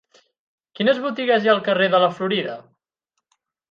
Quines botigues hi ha al carrer de la Florida?